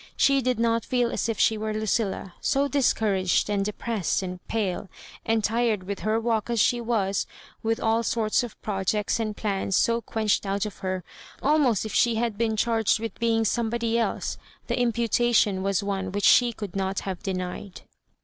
She did not feel as if she were Lucilla ; so discou raged and depressed and pale, and tired with her walk as she was, with all sorts of projects and plans so quenched out of her; almost if she had been charged with being somebody else, the impu tation was one which £e could not have denied.